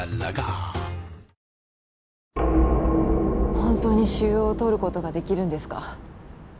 本当に腫瘍をとることができるんですか？